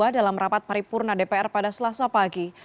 dalam rapat paripurna dpr pada selasa pagi